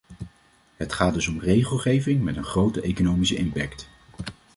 Het gaat dus om regelgeving met een grote economische impact.